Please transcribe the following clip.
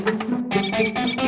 oh ngerti juga